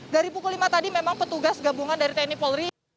dari pukul lima tadi memang petugas gabungan dari tni polri